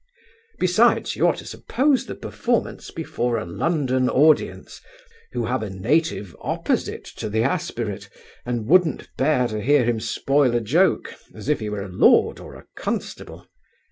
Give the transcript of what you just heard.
Besides you are to suppose the performance before a London audience, who have a native opposite to the aspirate and wouldn't bear to hear him spoil a joke, as if he were a lord or a constable.